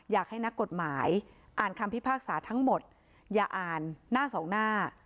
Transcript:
อยากให้นักกฎหมายอ่านคำพิพากษาทั้งหมดอย่าอ่านหน้าสองหน้า